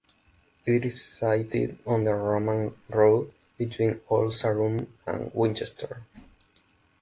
It is sited on the Roman road between Old Sarum and Winchester.